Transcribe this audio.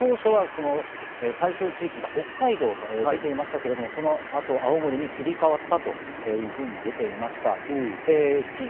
当初は対象地域が北海道と出ていましたけれど、その後、青森に切り替わったというふうに出ていました。